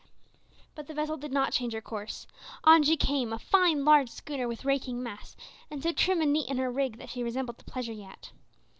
But the vessel did not change her course. On she came; a fine large schooner with raking masts, and so trim and neat in her rig that she resembled a pleasure yacht.